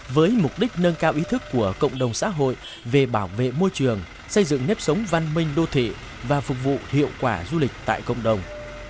với mục đích nâng cao ý thức của cộng đồng xã hội về bảo vệ môi trường xây dựng nếp sống văn minh đô thị và phục vụ hiệu quả du lịch tại cộng đồng